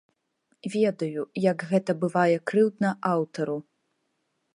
Ведаю, як гэта бывае крыўдна аўтару.